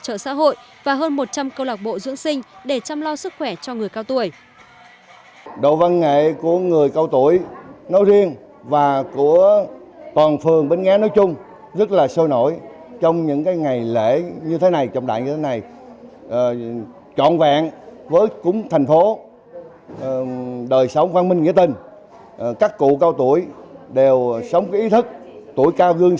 trợ xã hội và hơn một trăm linh câu lạc bộ dưỡng sinh để chăm lo sức khỏe cho người cao tuổi